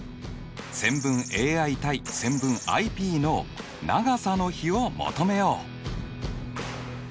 線分ＡＩ：線分ＩＰの長さの比を求めよう。